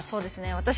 私